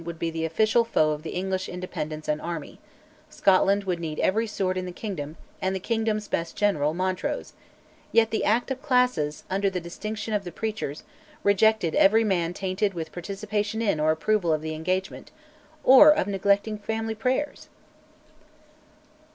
would be the official foe of the English Independents and army; Scotland would need every sword in the kingdom, and the kingdom's best general, Montrose, yet the Act of Classes, under the dictation of the preachers, rejected every man tainted with participation in or approval of the Engagement or of neglecting family prayers!